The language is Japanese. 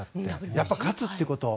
やっぱり勝つということ。